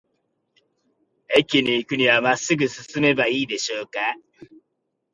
駅に行くには、まっすぐ進めばいいでしょうか。